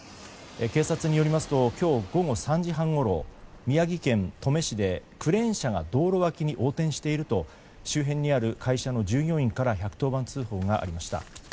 警察によりますと今日午後３時半ごろ宮城県登米市で、クレーン車が道路脇に横転していると周辺にある会社の従業員から１１０番通報がありました。